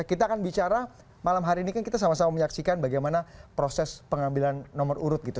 kita akan bicara malam hari ini kan kita sama sama menyaksikan bagaimana proses pengambilan nomor urut gitu